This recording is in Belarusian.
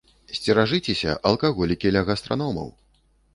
Сцеражыцеся, алкаголікі ля гастраномаў!